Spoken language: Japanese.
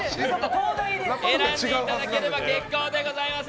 選んでいただければ結構でございます。